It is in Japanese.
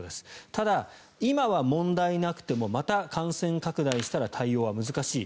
ただ、今は問題なくてもまた感染拡大したら対応は難しい。